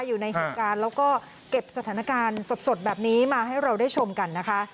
อยู่ในเหตุการณ์แล้วก็เก็บสถานการณ์สดแบบนี้มาให้เราได้ชมกันนะคะ